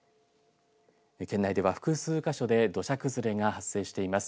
県内では複数か所で土砂崩れが発生しています。